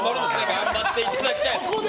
頑張っていただきたい。